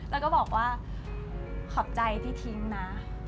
แล้วก็บอกว่าขอบใจที่ทิ้งนะ